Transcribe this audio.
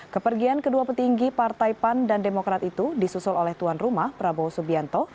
kepergian kedua petinggi partai pan dan demokrat itu disusul oleh tuan rumah prabowo subianto